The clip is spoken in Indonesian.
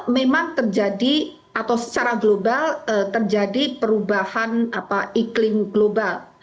memang terjadi atau secara global terjadi perubahan iklim global